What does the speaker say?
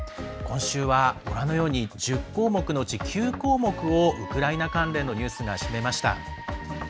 今週はご覧のように１０項目のうち９項目をウクライナ関連のニュースが占めました。